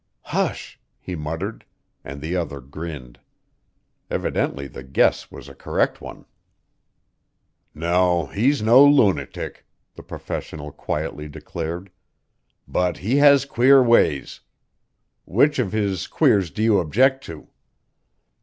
"Hush!" he muttered; and the other grinned. Evidently the guess was a correct one. "No, he's no lunatic," the professional quietly declared. "But he has queer ways. Which of his queers do you object to?"